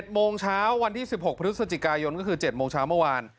โมงเช้าวันที่๑๖พฤศจิกายนก็คือ๗โมงเช้าเมื่อวาน